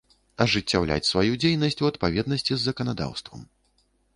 Ажыццяўляць сваю дзейнасць у адпаведнасцi з заканадаўствам.